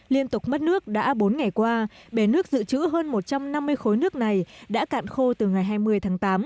liên tục mất nước đã bốn ngày qua bể nước dự trữ hơn một trăm năm mươi khối nước này đã cạn khô từ ngày hai mươi tháng tám